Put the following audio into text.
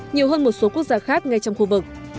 nhiều hơn một số quốc gia khác ngay trong khu vực